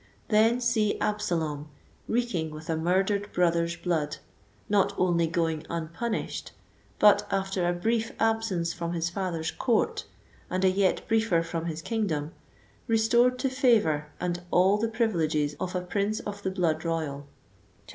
Then see Ab salom, reeking with a murdered brother's blood, not only going unpunished, but after a brief absence from his father's court, and a yet briefer from his kingdom, restored to favor and all the privileges of a prince of the blood royal, (xiii.